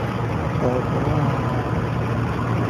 婆婆呀......